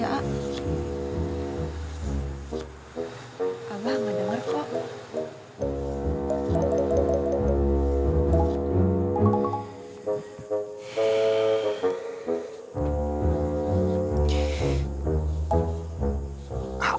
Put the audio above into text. abah gak denger kok